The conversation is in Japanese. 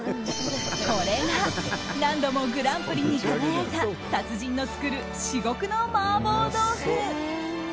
これが何度もグランプリに輝いた達人の作る至極の麻婆豆腐。